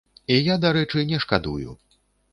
І я, дарэчы, не шкадую.